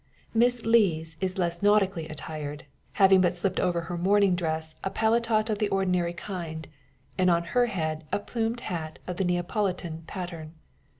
Miss Lees is less nautically attired; having but slipped over her morning dress a paletot of the ordinary kind, and on her head a plumed hat of the Neapolitan pattern.